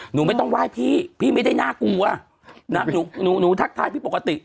หนูไม่ต้องไหว้พี่พี่ไม่ได้น่ากลัวนะหนูหนูทักทายพี่ปกติ